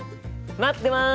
待ってます！